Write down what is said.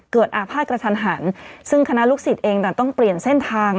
อาภาษณกระทันหันซึ่งคณะลูกศิษย์เองต่างต้องเปลี่ยนเส้นทาง